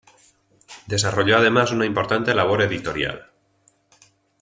Desarrolló además una importante labor editorial.